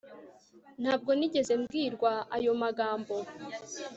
ntabwo nigeze mbwirwa ayo magambo